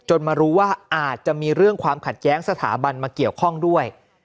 มารู้ว่าอาจจะมีเรื่องความขัดแย้งสถาบันมาเกี่ยวข้องด้วย